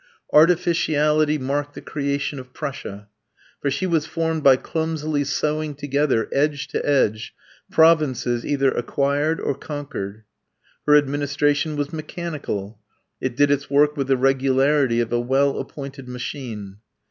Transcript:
Artificiality marked the creation of Prussia; for she was formed by clumsily sewing together, edge to edge, provinces either acquired or conquered. Her administration was mechanical; it did its work with the regularity of a well appointed machine.